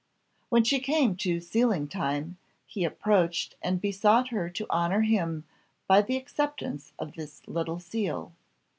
When she came to sealing time, he approached and besought her to honour him by the acceptance of this little seal.